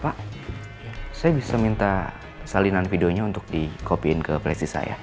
pak saya bisa minta salinan videonya untuk di copyin ke place saya